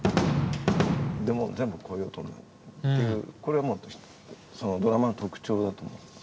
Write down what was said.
でも全部こういう音になるっていうこれはもうドラマーの特徴だと思います。